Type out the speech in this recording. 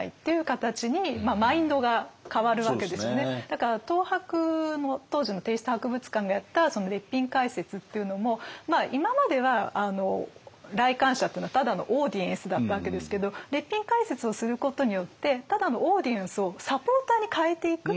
だから東博当時の帝室博物館がやった列品解説っていうのも今までは来館者っていうのはただのオーディエンスだったわけですけど列品解説をすることによってただのオーディエンスをサポーターに変えていく。